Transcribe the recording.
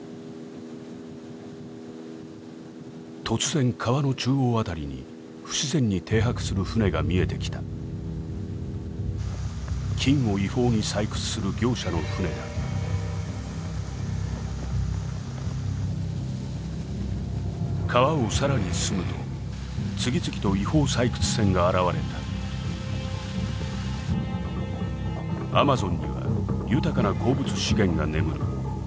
突然川の中央あたりに不自然に停泊する船が見えてきた金を違法に採掘する業者の船だ川をさらに進むと次々と違法採掘船が現れたアマゾンには豊かな鉱物資源が眠る